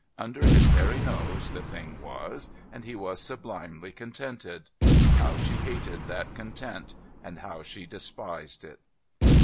Under his very nose the thing was, and he was sublimely contented. How she hated that content, and how she despised it!